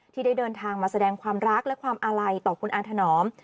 ที่ได้เดินทางมาแสดงความรักและความอาลัยต่อคุณอาถนอม